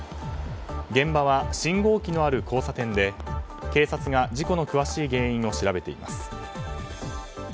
現場は、信号機のある交差点で警察が事故の詳しい原因を調べています。